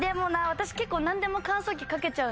私結構。